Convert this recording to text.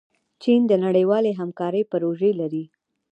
چین د نړیوالې همکارۍ پروژې لري.